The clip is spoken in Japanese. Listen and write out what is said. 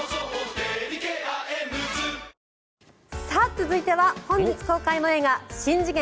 続いては本日公開の映画「しん次元！